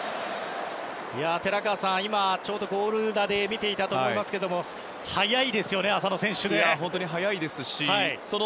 寺川さん、ちょうどゴール裏で見ていたと思いますが速いですよね、浅野選手。